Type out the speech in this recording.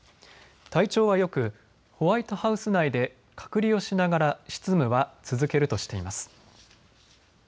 体調はよく、ホワイトハウス内で隔離をしながら執務は続けるとしています。